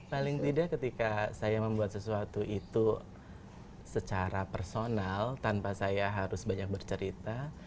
paling tidak ketika saya membuat sesuatu itu secara personal tanpa saya harus banyak bercerita